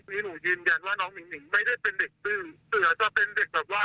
นี่หนูยืนยันว่าน้องหิ่งหิงไม่ได้เป็นเด็กซึ่งเสือจะเป็นเด็กแบบว่า